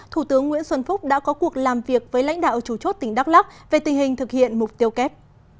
thủ tướng nguyễn xuân phúc đã có cuộc làm việc với lãnh đạo chủ chốt tỉnh đắk lắc về tình hình thực hiện mục tiêu kép